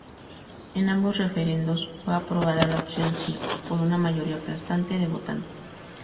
En ambos referendos fue aprobada la opción "Si" por una mayoría aplastante de votantes.